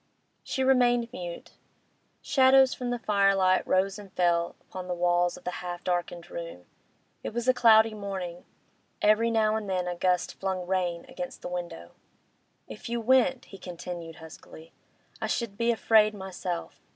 She remained mute. Shadows from the firelight rose and fell upon the walls of the half darkened room. It was a cloudy morning; every now and then a gust flung rain against the window. 'If you went,' he continued, huskily, 'I should be afraid myself.